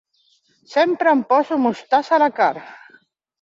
Sempre em poso mostassa a la carn.